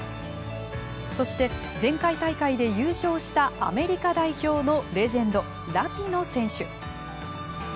そして、前回大会で優勝したアメリカ代表のレジェンドラピノ選手。